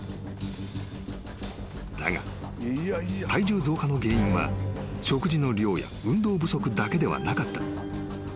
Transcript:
［だが体重増加の原因は食事の量や運動不足だけではなかった］